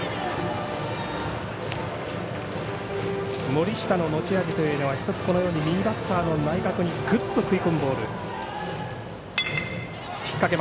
森下の持ち味は１つ、このように右バッターの内角にぐっと食い込むボール。